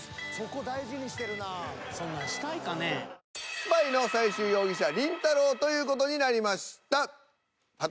スパイの最終容疑者りんたろー。という事になりました。